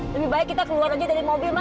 lebih baik kita keluar aja dari mobil mas